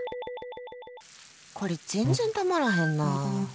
これ、全然たまらへんな。